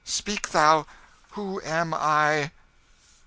Speak thou who am I?"